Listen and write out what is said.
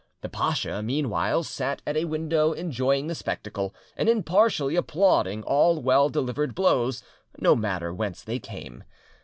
The pacha meanwhile sat at a window enjoying the spectacle, and impartially applauding all well delivered blows, no matter whence they came.